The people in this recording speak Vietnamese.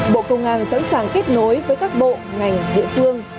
bộ công an sẵn sàng kết nối với các bộ ngành địa phương